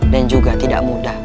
dan juga tidak mudah